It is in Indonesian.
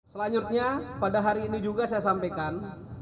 selanjutnya pada hari ini juga saya sampaikan